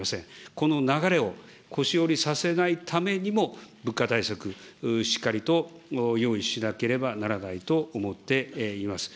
この流れをこしおりさせないためにも、物価対策、しっかりと用意しなければならないと思っています。